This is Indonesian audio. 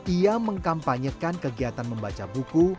ia mengkampanyekan kegiatan membaca buku